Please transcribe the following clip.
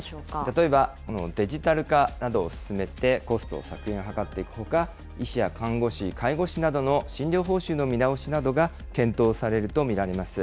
例えばデジタル化などを進めて、コスト削減を図っていくほか、医師や看護師、介護士などの診療報酬の見直しなどが検討されると見られます。